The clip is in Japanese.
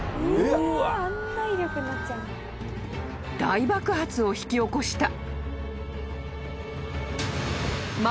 ［大爆発を引き起こした］